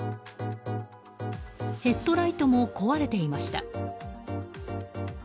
ヘッドライトも壊れていました。